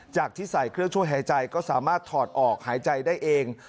ที่ใส่เครื่องช่วยหายใจก็สามารถถอดออกหายใจได้เอง